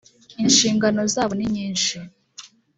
inshingano zabo ninyishi.